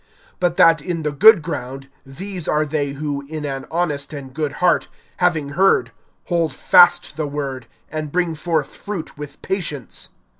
(15)But that in the good ground, these are they who, in an honest and good heart, having heard, hold fast the word, and bring forth fruit with patience.